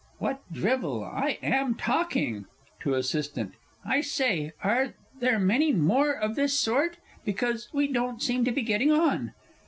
_ What drivel I am talking! To ASSISTANT. I say, are there many more of this sort? because we don't seem to be getting on!)